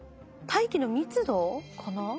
大気の密度かな？